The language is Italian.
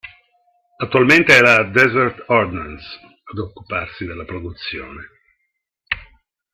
Attualmente è la "Desert Ordnance" ad occuparsi della produzione.